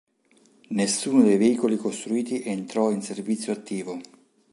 Nessuno dei veicoli costruiti entrò in servizio attivo.